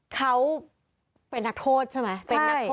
เขาเป็นนักโทษใช่ไหม